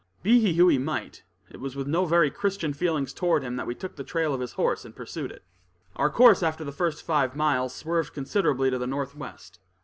Be he who he might, it was with no very Christian feelings toward him that we took the trail of his horse, and pursued it. Our course after the first five miles, swerved considerably to the northwest.